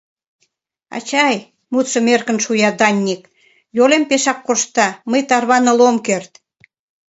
— Ачай, — мутшым эркын шуя Даник, — йолем пешак коршта, мый тарваныл ом керт.